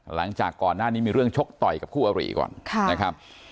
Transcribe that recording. หลังจากก่อนหน้านี้มีเรื่องชกต่อยกับคู่อารีก่อนนะครับ